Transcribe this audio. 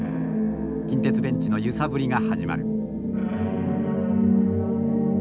近鉄ベンチの揺さぶりが始まる。